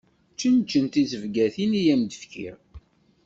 Čenčen tizebgatin i am-d-fkiɣ.